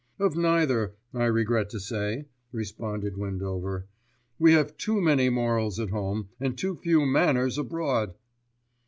"Of neither, I regret to say," responded Windover. "We have too many morals at home, and too few manners abroad."